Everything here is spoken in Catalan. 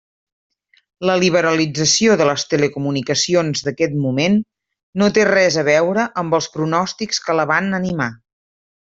La liberalització de les telecomunicacions d'aquest moment no té res a veure amb els pronòstics que la van animar.